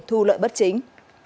thu lợi bất chính